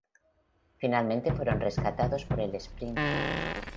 Finalmente fueron rescatados por el Spring.